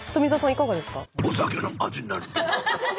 いかがですか？